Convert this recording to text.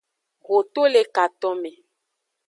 Ho to le katome.